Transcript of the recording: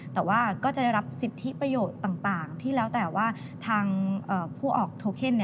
แต่ว่าก็จะได้รับสิทธิประโยชน์ต่างที่แล้วแต่ว่าทางผู้ออกโทเคน